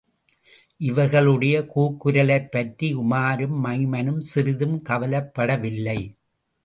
இவர்களுடைய கூக்குரலைப்பற்றி உமாரும் மைமனும் சிறிதும் கவலைப்படவில்லை.